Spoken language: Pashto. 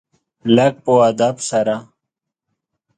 لږ په ادب سره .